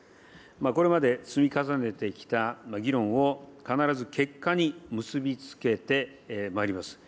これまで積み重ねてきた議論を必ず結果に結び付けてまいります。